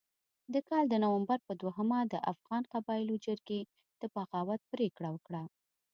د کال د نومبر په دوهمه د افغان قبایلو جرګې د بغاوت پرېکړه وکړه.